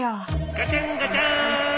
ガチャンガチャン！